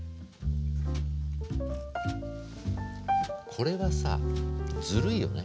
これはさずるいよね。